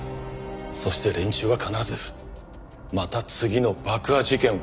そして連中は必ずまた次の爆破事件を起こすと。